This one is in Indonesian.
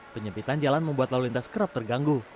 penyempitan jalan membuat lalu lintas kerap terganggu